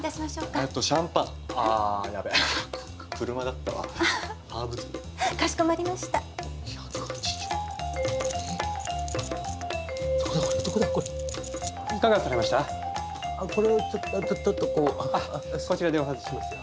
あっこちらでお外ししますよ。